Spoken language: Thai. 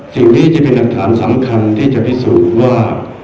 สิ่งนี้จะเป็นหลักฐานสำคัญที่จะพิสูจน์ว่า